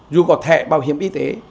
dù có thẻ bảo hiểm y tế